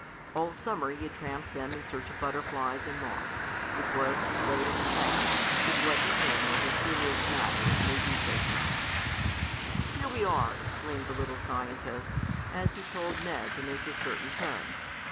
All summer he had tramped them in search of butterflies and moths, which was his latest "fad," if what to him was a serious matter may be so termed. "Here we are!" exclaimed the little scientist, as he told Ned to make a certain turn.